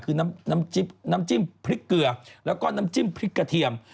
คือน้ำจิ้มน้ำจิ้มพริกเกลือแล้วก็น้ำจิ้มพริกกระเทียม